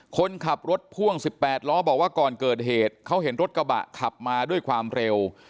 คนขับรถพ่วง๑๘ล้อบอกว่าก่อนเกิดเหตุเขาเห็นรถกระบะขับมาด้วยความเร็ว